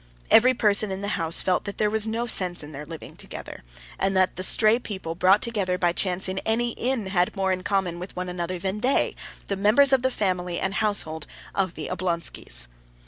Every person in the house felt that there was no sense in their living together, and that the stray people brought together by chance in any inn had more in common with one another than they, the members of the family and household of the Oblonskys.